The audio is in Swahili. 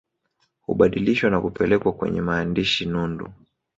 Hubadilishwa na kupelekwa kwenye maandishi nundu